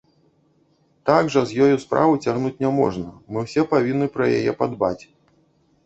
Так жа з ёю справу цягнуць няможна, мы ўсе павінны пра яе падбаць.